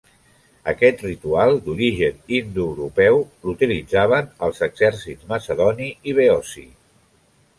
Aquest ritual, d'origen indoeuropeu, l'utilitzaven els exèrcits macedoni i beoci.